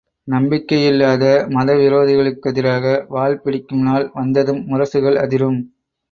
நம்பிக்கையில்லாத, மதவிரோதிகளுக்கெதிராக வாள்பிடிக்கும் நாள் வந்ததும் முரசுகள் அதிரும்!